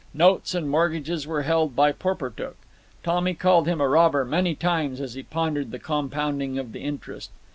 Notes and mortgages were held by Porportuk. Tommy called him a robber many times as he pondered the compounding of the interest.